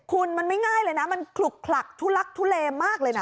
คุณมันไม่ง่ายเลยนะมันขลุกขลักทุลักทุเลมากเลยนะ